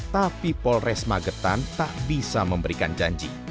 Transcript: tapi polres magetan tak bisa memberikan janji